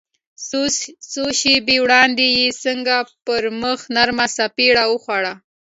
څو شېبې وړاندې يې څنګه پر مخ نرمه څپېړه وخوړه.